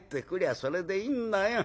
それでいいんだよ。